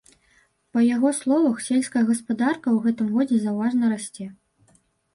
Па яго словах, сельская гаспадарка ў гэтым годзе заўважна расце.